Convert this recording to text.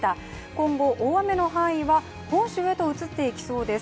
今後、大雨の範囲は本州へと移っていきそうです。